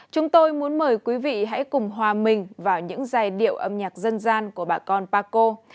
chúng tôi muốn mời quý vị hãy cùng hòa mình vào những giai điệu âm nhạc dân gian của bà con paco